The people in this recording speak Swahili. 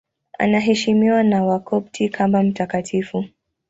Anaheshimiwa na Wakopti kama mtakatifu.